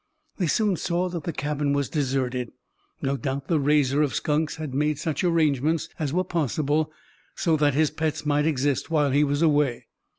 They soon saw that the cabin was deserted. No doubt the raiser of skunks had made such arrangements as were possible, so that his pets might exist while he was away.